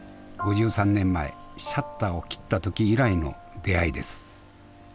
５３年前シャッターを切った時以来の出会いです。